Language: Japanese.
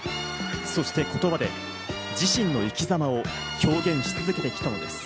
そして言葉で自身の生き様を表現し続けてきたのです。